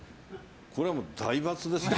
これはもう大×ですね。